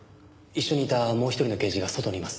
一緒にいたもう一人の刑事が外にいます。